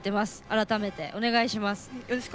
改めて、お願いします。